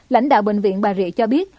lãnh đạo bệnh viện bà rịa cho biết